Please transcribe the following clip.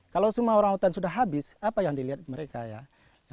kalau semua orang hutan sudah habis apa yang dilihat mereka ya